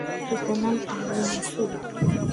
উপনাম: আবু মাসুদ।